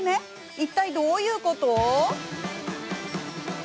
いったいどういうこと？